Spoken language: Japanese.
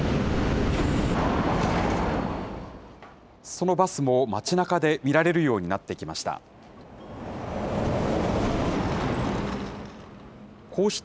そのバスも街なかで見られるようになってきました。